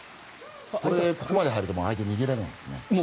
ここまで入るともう相手は逃げられないですね。